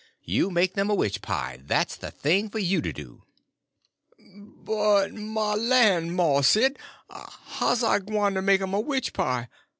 You make them a witch pie; that's the thing for you to do." "But my lan', Mars Sid, how's I gwyne to make 'm a witch pie?